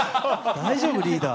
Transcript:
大丈夫、リーダー。